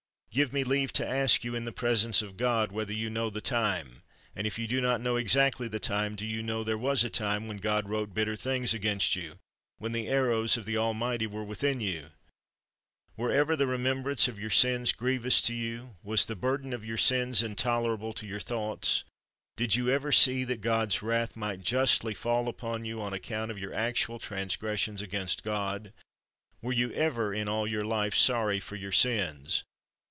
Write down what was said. Give me leave to ask you, in the presence of God, whether you know the time, and if you do not know exactly the time, do you know there was a time when God wrote bitter things against you, when the arrows of the Almighty were within you ? Was ever the remembrance of your sins grievous to you ? Was the burden of your sins intolerable to your thoughts? Did you ever see that God's wrath might justly fall upon you, on account of your actual transgressions against God? Were you ever in all your life sorry for your sins